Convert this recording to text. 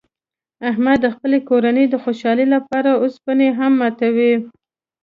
احمد د خپلې کورنۍ د خوشحالۍ لپاره اوسپنې هم ماتوي.